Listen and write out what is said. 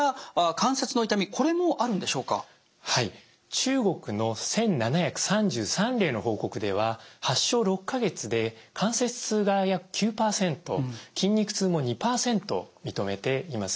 中国の１，７３３例の報告では発症６か月で関節痛が約９％筋肉痛も２％認めています。